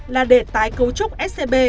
là để tái cấu trúc scb